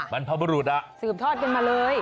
บรรพบุรุษสืบทอดกันมาเลย